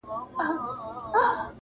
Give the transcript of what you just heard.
هر دلیل ته یې راوړله مثالونه.!